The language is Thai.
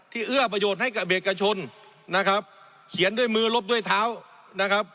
เอื้อประโยชน์ให้กับเอกชนนะครับเขียนด้วยมือลบด้วยเท้านะครับ